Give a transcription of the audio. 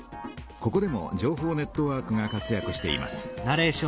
ここでも情報ネットワークが活やくしています。